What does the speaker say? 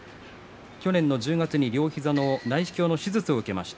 去年の１０月に両膝の内視鏡の手術を受けました。